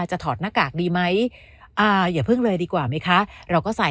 ถอดหน้ากากดีไหมอ่าอย่าเพิ่งเลยดีกว่าไหมคะเราก็ใส่